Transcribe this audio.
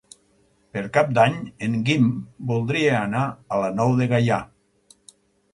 Per Cap d'Any en Guim voldria anar a la Nou de Gaià.